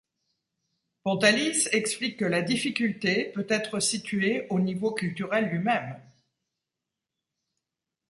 Pontalis explique que la difficulté peut être située au niveau culturel lui-même.